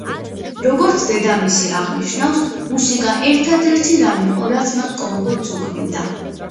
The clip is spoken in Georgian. როგორც დედამისი აღნიშნავს, მუსიკა ერთადერთი რამ იყო, რაც მას კომფორტს უქმნიდა.